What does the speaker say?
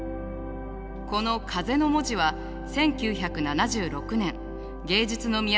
この風の文字は１９７６年芸術の都